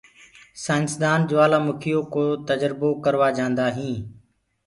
سآئينسدآن جوآلآ مِکيو ڪو تجربو ڪورآ جآندآ هينٚ